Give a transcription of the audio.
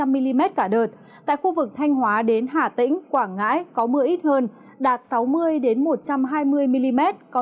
ba trăm linh mm cả đợt tại khu vực thanh hóa đến hà tĩnh quảng ngãi có mưa ít hơn đạt sáu mươi đến một trăm hai mươi mm có